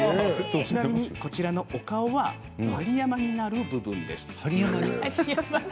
ちなみに、こちらのお顔は針山になる部分です。